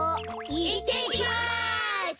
いってきます！